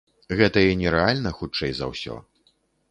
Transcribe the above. Гэта і нерэальна, хутчэй за ўсё.